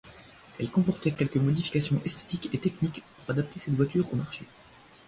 Elle comportait quelques modifications esthétiques et techniques pour adapter cette voiture au marché.